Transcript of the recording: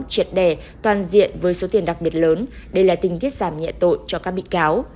triệt đẻ toàn diện với số tiền đặc biệt lớn đây là tình tiết giảm nhẹ tội cho các bị cáo